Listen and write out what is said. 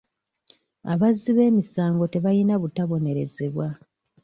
Abazzi b'emisango tebayina butabonerezebwa.